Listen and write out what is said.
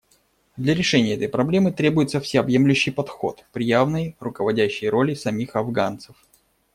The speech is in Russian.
Для решения этой проблемы требуется всеобъемлющий подход при явной руководящей роли самих афганцев.